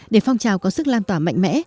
để phong trào có sức lan tỏa mạnh mẽ